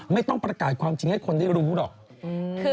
ไม่ต้องประกาศความจริงให้คนได้รู้หรอก